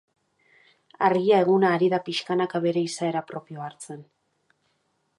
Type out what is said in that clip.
Argia eguna ari da pixkanaka bere izaera propioa hartzen.